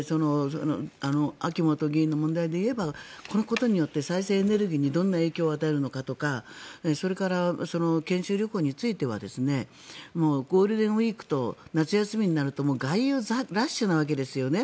秋本議員の問題で言えばこのことによって再生可能エネルギーにどんな影響を与えるのかとかそれから研修旅行についてはゴールデンウィークと夏休みになると外遊ラッシュなわけですよね。